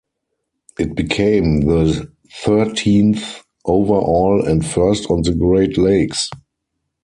It became the thirteenth overall and first on the Great Lakes.